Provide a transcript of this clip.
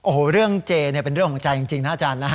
โอ้โหเรื่องเจเป็นเรื่องของใจจริงนะอาจารย์